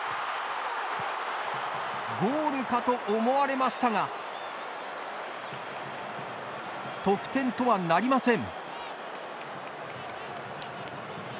ゴールかと思われましたが得点とはなりません。